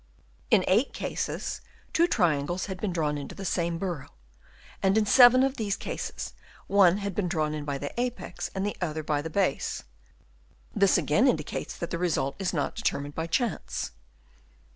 In eight cases, two triangles had been drawn into the same burrow, and in seven of these cases, one had been drawn in by the apex and the other by the base. This again indicates that the result is not determined by chance.